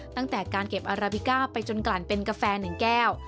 ตั้งแต่การเก็บอาราบิก้าไปจนกลั่นเป็นกาแฟ๑แก้ว